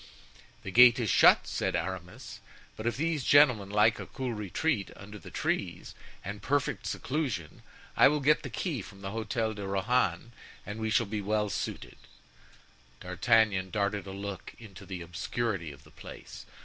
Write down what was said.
"The gate is shut," said Aramis, "but if these gentlemen like a cool retreat under the trees, and perfect seclusion, I will get the key from the Hotel de Rohan and we shall be well suited." D'Artagnan darted a look into the obscurity of the Place.